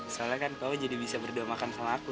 soalnya kan kau jadi bisa berdua makan sama aku